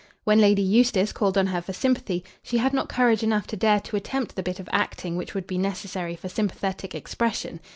When Lady Eustace called on her for sympathy, she had not courage enough to dare to attempt the bit of acting which would be necessary for sympathetic expression.